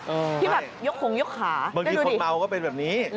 เออที่แบบยกโขงยกขาได้ดูดิบางทีคนเมาก็เป็นแบบนี้